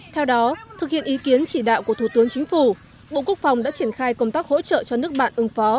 theo đó thực hiện ý kiến chỉ đạo của thủ tướng chính phủ bộ quốc phòng đã triển khai công tác hỗ trợ cho nước bạn ứng phó